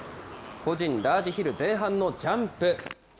個人ラージヒル前半のジャンプ。